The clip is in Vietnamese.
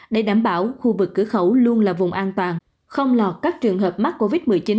để đảm bảo khu vực cửa khẩu luôn là vùng an toàn không lọt các trường hợp mắc covid một mươi chín